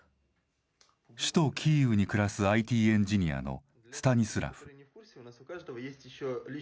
首都キーウに暮らすＩＴエンジニアのスタニスラフ。